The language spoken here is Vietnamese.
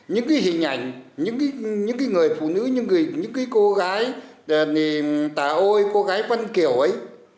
những cái hình ảnh những cái người phụ nữ những cái cô gái tà ôi cô gái vân kiều ấy